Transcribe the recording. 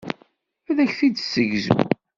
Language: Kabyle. Ad ak-t-id-tessegzu.